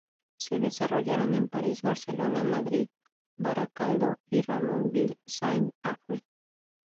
Se desarrollaron en París, Barcelona, Madrid, Baracaldo y Ramonville-Saint-Agne.